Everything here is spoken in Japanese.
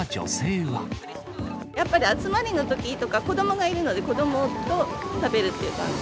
やっぱり集まりのときとか、子どもがいるので、子どもと食べるという感じ。